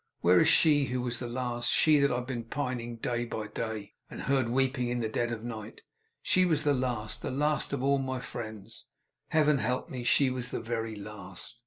Where is she, she who was the last; she that I've seen pining day by day, and heard weeping in the dead of night! She was the last, the last of all my friends! Heaven help me, she was the very last!